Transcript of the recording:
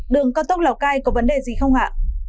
đường cao tốc lào cai có vấn đề gì không ạ